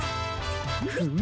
フム。